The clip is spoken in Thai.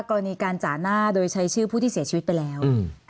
กรณีการจ่าหน้าโดยใช้ชื่อผู้ที่เสียชีวิตไปแล้ว